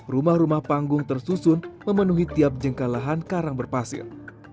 rumah rumah panggung tersusun memenuhi tiap jengkalahan karang berpasir